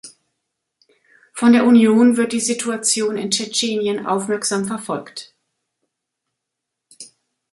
Von der Union wird die Situation in Tschetschenien aufmerksam verfolgt.